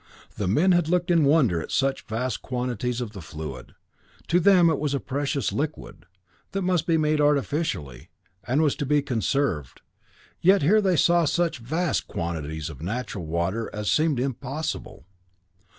The men had looked in wonder at such vast quantities of the fluid. To them it was a precious liquid, that must be made artificially, and was to be conserved, yet here they saw such vast quantities of natural water as seemed impossible.